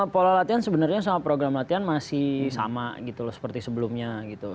pola latihan sebenarnya sama program latihan masih sama gitu loh seperti sebelumnya gitu